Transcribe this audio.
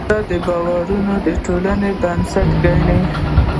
دا باورونه د ټولنې بنسټ ګڼي.